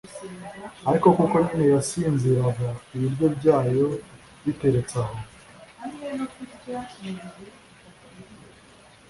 ariko kuko nyine yasinziraga, ibiryo byayo biteretse aho,